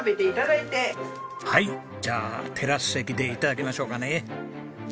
はいじゃあテラス席で頂きましょうかね。